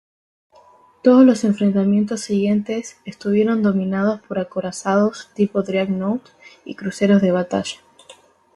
Todos los enfrentamientos siguientes estuvieron dominados por acorazados tipo dreadnought y cruceros de batalla.